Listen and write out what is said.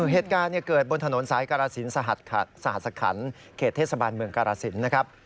เหตุการณ์เกิดบนถนนซ้ายกราศิลป์สหัสขันทร์เขตเทศบาลเมืองกราศิลป์นะครับ